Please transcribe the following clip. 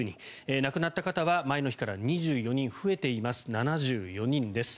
亡くなった方は前の日から２４人増えています７４人です。